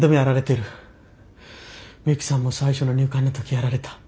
ミユキさんも最初の入管の時やられた。